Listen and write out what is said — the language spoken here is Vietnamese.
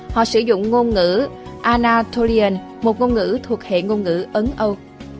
họ sử dụng ngôn ngữ anatolian một ngôn ngữ thuộc hệ ngôn ngữ ấn âu